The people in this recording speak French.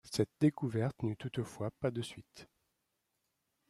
Cette découverte n'eut toutefois pas de suite.